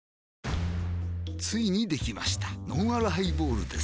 ついにできましたのんあるハイボールです